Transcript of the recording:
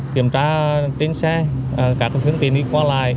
kiểm tra trên xe các phương tiện đi qua lại